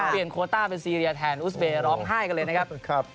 โคต้าเป็นซีเรียแทนอุสเบย์ร้องไห้กันเลยนะครับ